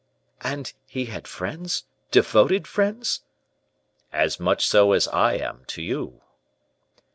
"And he had friends devoted friends?" "As much so as I am to you."